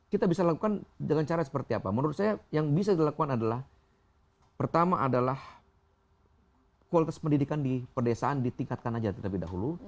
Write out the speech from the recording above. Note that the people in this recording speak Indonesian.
kita bisa lakukan dengan cara seperti apa menurut saya yang bisa dilakukan adalah pertama adalah kualitas pendidikan di pedesaan ditingkatkan aja terlebih dahulu